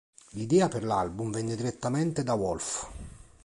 L'idea per album venne direttamente da Wolff.